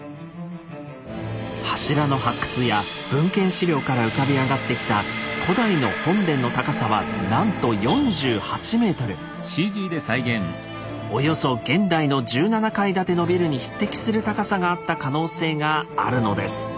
柱の発掘や文献史料から浮かび上がってきた古代の本殿の高さはなんとおよそ現代の１７階建てのビルに匹敵する高さがあった可能性があるのです。